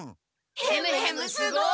ヘムヘムすごい！